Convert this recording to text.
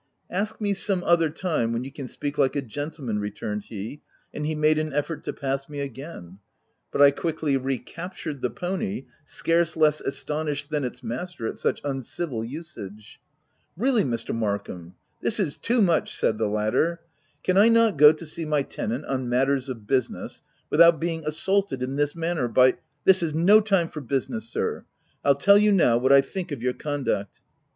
"Ask me some other time, when you can speak like a gentleman," returned he, and he made an effort to pass me again ; but I quickly re captured the pony scarce less astonished than its master at such uncivil usage. " Really Mr. Markham, this is too much!" said the_ latter. " Can I not go to see my OF WILDFELL HALL. 18/ tenant on matters of business, without being assaulted in this manner by —"" This is no time for business sir !— Pll tell you, now, what I think of your conduct."